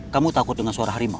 kamu takut dengan suara harimau